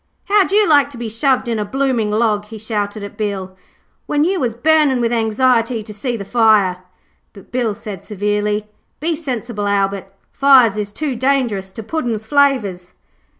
'How'd you like to be shoved in a blooming log,' he shouted at Bill, 'when you was burning with anxiety to see the fire?' but Bill said severely, 'Be sensible, Albert, fires is too dangerous to Puddin's flavours.'